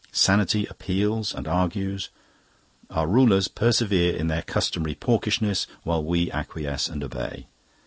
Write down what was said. Sanity appeals and argues; our rulers persevere in their customary porkishness, while we acquiesce and obey.